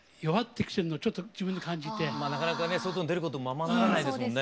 なかなか外に出ることもままならないですもんね。